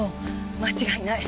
間違いない。